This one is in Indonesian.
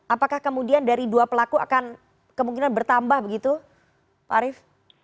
apakah kemudian dari dua pelaku akan kemungkinan bertambah begitu pak arief